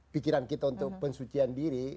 pikiran kita untuk pensucian diri